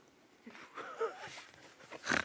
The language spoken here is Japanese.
ハハハ。